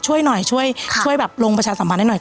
ช่วยหน่อยช่วยช่วยแบบลงประชาสัมพันธ์ให้หน่อย